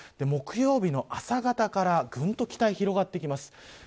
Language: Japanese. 木曜日の朝方からぐんと北へ広がってきます。